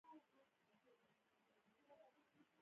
يو ته له بل نه شکايت پيدا کېږي.